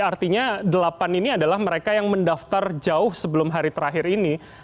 artinya delapan ini adalah mereka yang mendaftar jauh sebelum hari terakhir ini